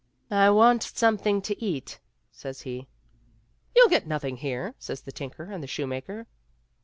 " I want something to eat," says he, " You'll get nothing here," says the tinker and the shoemaker.